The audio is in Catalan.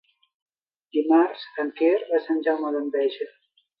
Dimarts en Quer va a Sant Jaume d'Enveja.